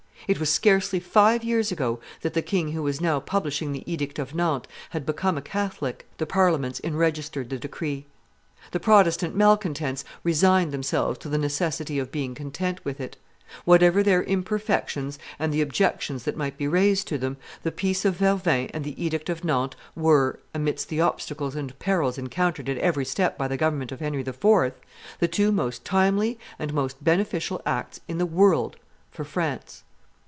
It was scarcely five years ago that the king who was now publishing the edict of Nantes had become a Catholic; the Parliaments enregistered the decree. The Protestant malcontents resigned themselves to the necessity of being content with it. Whatever their imperfections and the objections that might be raised to them, the peace of Vervins and the edict of Narrtes were, amidst the obstacles and perils encountered at every step by the government of Henry IV., the two most timely and most beneficial acts in the world for France.